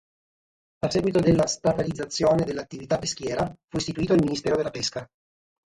A seguito della statalizzazione dell'attività peschiera, fu istituito il Ministero della pesca.